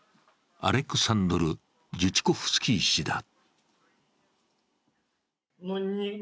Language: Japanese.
アレクサンドル・ジュチコフスキー氏だ。